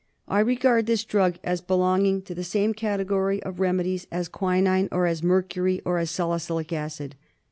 I regard this drug as belonging to the same category of remedies as quinine, or as mercury, or as salicylic acid.